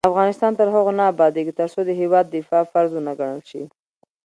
افغانستان تر هغو نه ابادیږي، ترڅو د هیواد دفاع فرض ونه ګڼل شي.